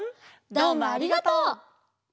どうもありがとう！